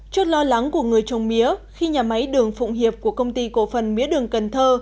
trước lo lắng của người trồng mía khi nhà máy đường phụng hiệp của công ty cổ phần mía đường cần thơ